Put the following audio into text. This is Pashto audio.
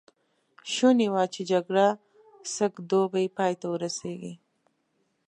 شوني وه چې جګړه سږ دوبی پای ته ورسېږي.